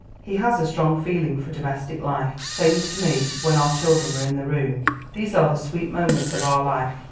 He has a strong feeling for domestic life, saying to me, when our children were in the room: 'These are the sweet moments of our life.'